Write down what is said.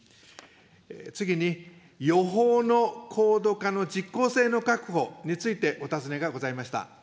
次に予報の高度化の実効性の確保についてお尋ねがございました。